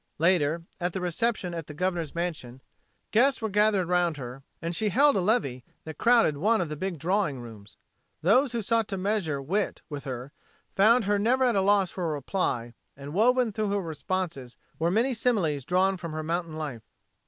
Later, at the reception at the Governor's mansion, guests gathered around her and she held a levee that crowded one of the big drawing rooms. Those who sought to measure wit with her found her never at a loss for a reply, and woven through her responses were many similes drawn from her mountain life.